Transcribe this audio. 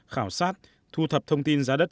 khảo sát thu thập thông tin giá đất